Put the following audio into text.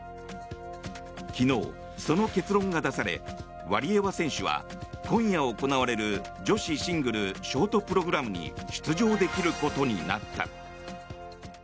昨日、その結論が出されワリエワ選手は今夜、行われる女子シングルショートプログラムに出場できることになった。